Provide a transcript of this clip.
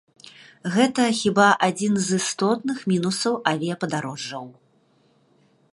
Гэта, хіба, адзін з істотных мінусаў авіяпадарожжаў.